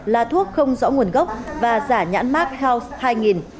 là thuốc không rõ nguồn gốc và giả nhãn mát house hai nghìn